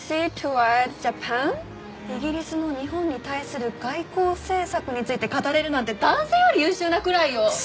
イギリスの日本に対する外交政策について語れるなんて男性より優秀なくらいよ！